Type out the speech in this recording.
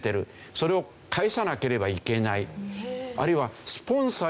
それを返さなければいけない。